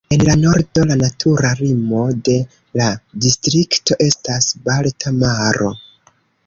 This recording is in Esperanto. En la nordo, la natura limo de la distrikto estas la Balta Maro.